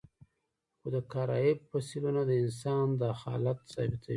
خو د کارایب فسیلونه د انسان دخالت ثابتوي.